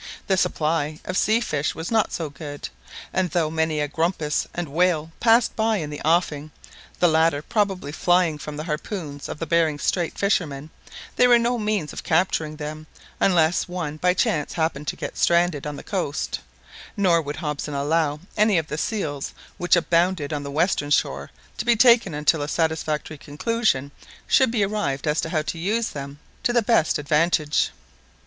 The supply of sea fish was not so good; and though many a grampus and whale passed by in the offing, the latter probably flying from the harpoons of the Behring Strait fishermen there were no means of capturing them unless one by chance happened to get stranded on the coast; nor would Hobson allow any of the seals which abounded on the western shore to be taken until a satisfactory conclusion should be arrived at as to how to use them to the best advantage.